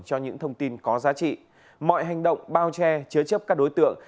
cho những thông tin có giá trị mọi hành động bao che chứa chấp các đối tượng